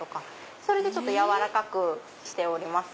それで柔らかくしております。